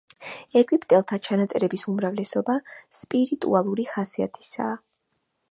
ეგვიპტელთა ჩანაწერების უმრავლესობა სპირიტუალური ხასიათისაა.